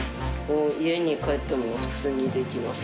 家に帰っても普通にできます。